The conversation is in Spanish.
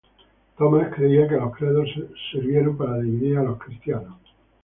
Thomas creía que los credos sirvieron para dividir a los cristianos.